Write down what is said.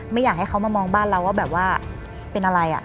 ไม่อยากให้เขามามองบ้านเราว่าแบบว่าเป็นอะไร